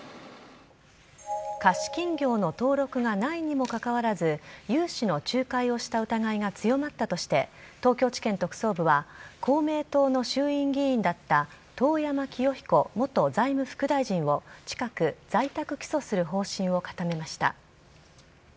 貸金業の登録がないにもかかわらず融資の仲介をした疑いが強まったとして東京地検特捜部は公明党の衆院議員だった遠山清彦元財務副大臣を近く在宅起訴する方針を固めました。